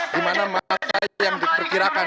dimana masa yang diperkirakan